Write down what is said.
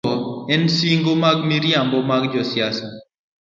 Mokwongo en singo mag miriambo mag josiasa.